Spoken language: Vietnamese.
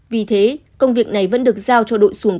vì thế công việc này vẫn được giao cho đội xuồng